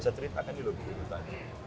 saya ceritakan ini loh diurutannya